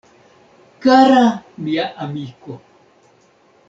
Kara mia amiko!